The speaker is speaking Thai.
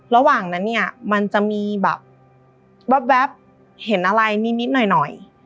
ระหว่างนั้นเนี่ยมันจะมีแบบแว๊บเห็นอะไรนิดหน่อย